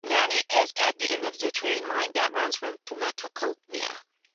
Samani is at the end of the train line that runs from Tomakomai.